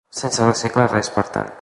Sense reciclar res, per tant.